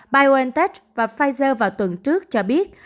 biontech và pfizer vào tuần trước cho biết